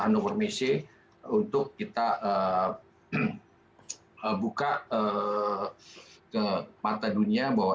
handong wormese untuk kita buka ke mata dunia bahwa